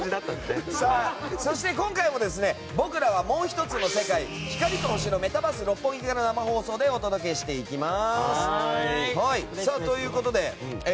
そして、今回も僕らはもう１つの世界光と星のメタバース六本木から生放送でお届けしていきます。